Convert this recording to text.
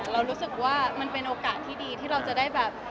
เรารู้สึกว่ามันเป็นโอกาสที่ดีที่เราจะได้แบบ